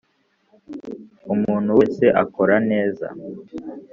umuntu wese akora neza.